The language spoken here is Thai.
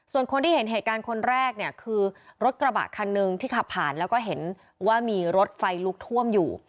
ส่วนคนที่เห็นเหตุการณ์คนแรกเนี่ยคือรถกระบะคันหนึ่งที่ขับผ่านแล้วก็เห็นว่ามีรถไฟลุกท่วมอยู่